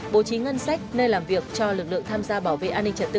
bố trí ngân sách nơi làm việc cho lực lượng tham gia bảo vệ an ninh trật tự